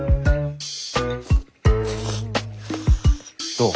どう？